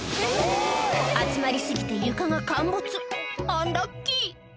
集まり過ぎて床が陥没アンラッキー